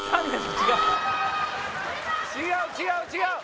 違う違う違う。